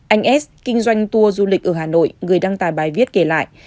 anh s kinh doanh tour du lịch ở hà nội người đăng tài bài viết kể lại